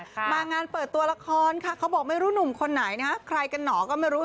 เขาบอกไม่รู้หนุ่มคนไหนนะครับใครกันเหรอก็ไม่รู้